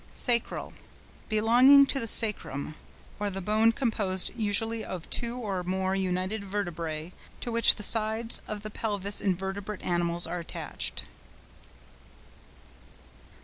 SACRAL.—Belonging to the sacrum, or the bone composed usually of two or more united vertebræ to which the sides of the pelvis in vertebrate animals are attached.